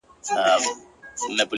• دوى خو ـ له غمه څه خوندونه اخلي ـ